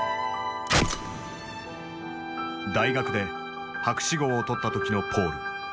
大学で博士号を取った時のポール。